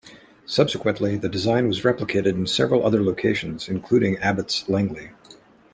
Subsequently, the design was replicated in several other locations, including Abbots Langley.